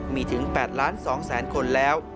มีถึง๘๒๐๐๐๐๐คนแล้ว